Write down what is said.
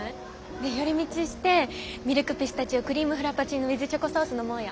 で寄り道してミルクピスタチオクリームフラパチーノＷＩＴＨチョコソース飲もうよ。